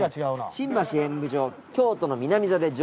新橋演舞場